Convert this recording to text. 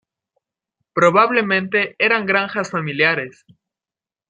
Probablemente eran granjas familiares.